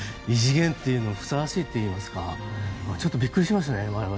異次元というのにふさわしいといいますかちょっとびっくりしましたね。